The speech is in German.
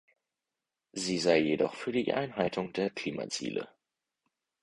Sie sei jedoch für die Einhaltung der Klimaziele.